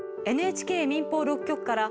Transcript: ＮＨＫ民放６局から。